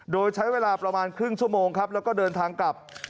โดยใช้เวลาประมาณครึ่งชั่วโมงครับแล้วก็เดินทางกลับ